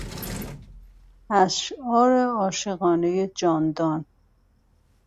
اشعار عاشقانهی جان دان